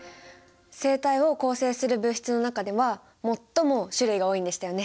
生体を構成する物質の中では最も種類が多いんでしたよね！